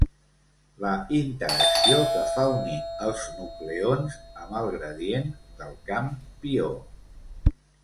La interacció que fa unir els nucleons amb el "gradient" del camp pió.